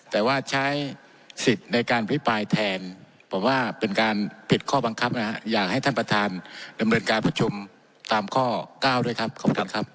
แต่ว่าใช้สิทธิ์ในการพิปรายแทนผมว่าเป็นการผิดข้อบังคับนะฮะอยากให้ท่านประธานดำเนินการประชุมตามข้อ๙ด้วยครับขอบคุณครับ